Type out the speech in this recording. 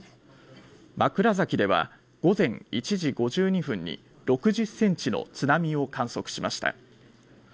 枕崎では、午前１時５２分に６０センチの津波を観測しました。